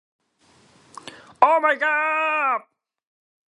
In the Korean version, that warning rule only applies in heartstoppers.